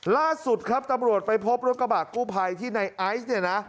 ล่าสุดครับตำรวจไปพบรถกระบะกู้ภัยที่ในไอซ์เนี่ยนะ